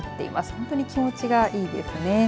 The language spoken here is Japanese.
本当に気持ちがいいですね。